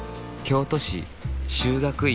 京都市修学院。